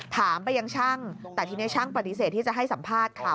ถามไปยังช่างแต่ทีนี้ช่างปฏิเสธที่จะให้สัมภาษณ์ค่ะ